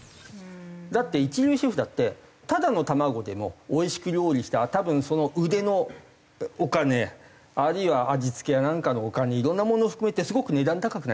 だって一流シェフだってただの卵でもおいしく料理したら多分その腕のお金あるいは味付けなんかのお金いろんなもの含めてすごく値段高くなりますよね。